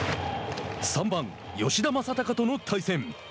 ３番吉田正尚との対戦。